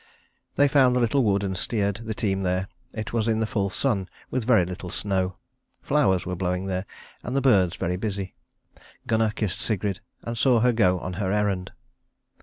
They found the little wood and steered the team there. It was in the full sun, with very little snow. Flowers were blowing there, and the birds very busy. Gunnar kissed Sigrid and saw her go on her errand.